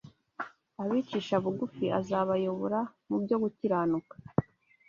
Abicisha bugufi azabayobora mu byo gukiranuka